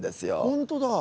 本当だ。